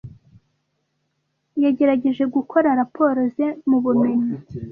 Yagerageje gukora raporo ze mu bumenyi.